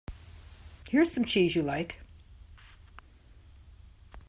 Here's some cheese you like.